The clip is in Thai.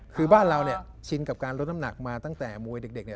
คือบ้านเราเนี่ยชินกว่ารดน้ำหนักการมาตั้งแต่มวยเด็ก